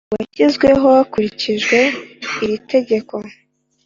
washyizweho hakurikijwe iri tegeko.